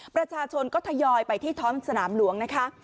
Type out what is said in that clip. ประชาชนก็ทยอยไปที่ท้องสนามหลวงนะคะ